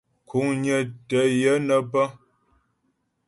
Kuŋnyə tə́ yə nə́ pə́.